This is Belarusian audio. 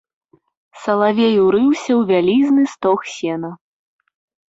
Салавей урыўся ў вялізны стог сена.